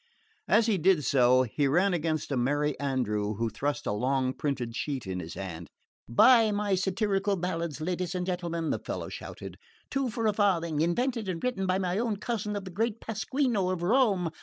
As he did so he ran against a merry andrew who thrust a long printed sheet in his hand. "Buy my satirical ballads, ladies and gentlemen!" the fellow shouted. "Two for a farthing, invented and written by an own cousin of the great Pasquino of Rome!